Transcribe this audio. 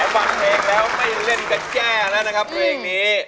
ฟังเพลงแล้วไม่เล่นแต่แก้แล้วนะครับเพลงนี้